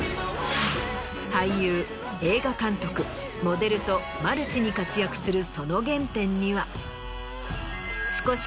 俳優映画監督モデルとマルチに活躍するその原点には。